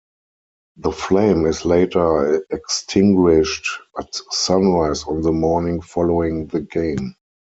The flame is later extinguished at sunrise on the morning following the game.